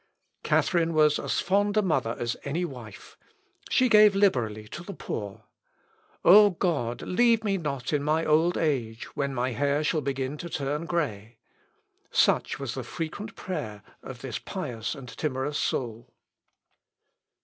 Catharine was as fond a mother as a wife. She gave liberally to the poor. "O God, leave me not in my old age, when my hair shall begin to turn grey!" Such was the frequent prayer of this pious and timorous soul.